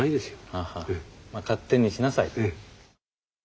勝手にしなさいと。